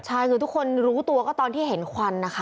ใช่คือทุกคนรู้ตัวก็ตอนที่เห็นควันนะคะ